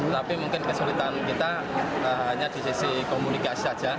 tapi mungkin kesulitan kita hanya di sisi komunikasi saja